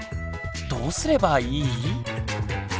どうすればいい？